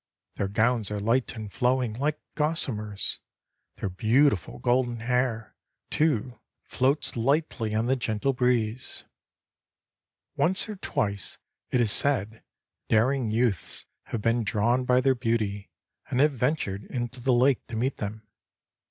Their gowns are light and flowing like gossamers. Their beautiful golden hair, too, floats lightly on the gentle breeze. Once or twice, it is said, daring youths have been drawn by their beauty, and have ventured into the lake to meet them.